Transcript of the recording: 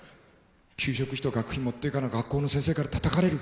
給食費と学費持ってかな学校の先生からたたかれる」。